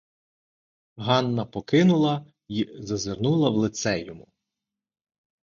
Ганна покинула й зазирнула в лице йому.